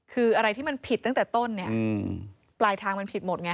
คืออะไรที่มันผิดตั้งแต่ต้นเนี่ยปลายทางมันผิดหมดไง